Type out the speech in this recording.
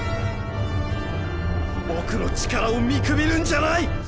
僕の力を見くびるんじゃない！